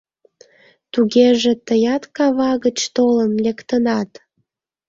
— Тугеже тыят кава гыч толын лектынат?